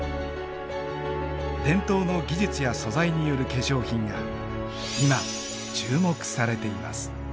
伝統の技術や素材による化粧品が今注目されています。